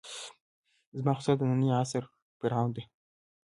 زما خُسر د نني عصر فرعون ده.